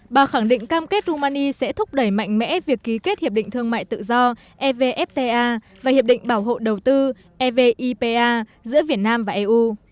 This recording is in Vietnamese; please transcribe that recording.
bà khẳng định cam kết rumani sẽ thúc đẩy mạnh mẽ việc ký kết hiệp định thương mại tự do evfta và hiệp định bảo hộ đầu tư evipa giữa việt nam và eu